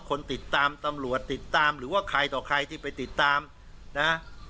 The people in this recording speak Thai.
คนติดตามตำรวจติดตามหรือว่าใครต่อใครที่ไปติดตามนะ